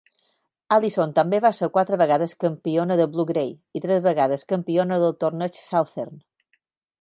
Alison també va ser quatre vegades campiona de Blue Gray, i tres vegades campiona del torneig Southern.